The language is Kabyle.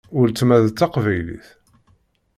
Weltma d taqbaylit.